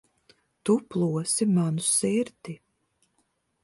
Tu plosi manu sirdi.